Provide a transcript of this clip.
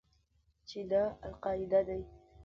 چې دا القاعده دى.